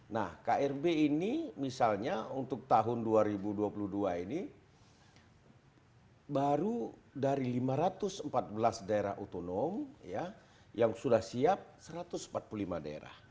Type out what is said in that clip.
nah krb ini misalnya untuk tahun dua ribu dua puluh dua ini baru dari lima ratus empat belas daerah otonom yang sudah siap satu ratus empat puluh lima daerah